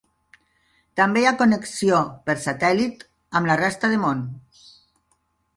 També hi ha connexió per satèl·lit amb la resta de món.